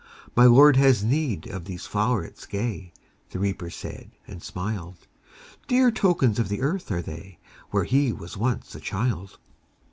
My Lord has need of these flowerets gay. The Reaper said, and smiled : Dear tokens of the earth are they, Where he was once a child.